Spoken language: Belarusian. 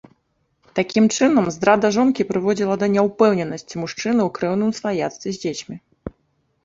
Такім чынам, здрада жонкі прыводзіла да няўпэўненасці мужчыны ў крэўным сваяцтве з дзецьмі.